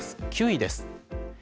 ９位です。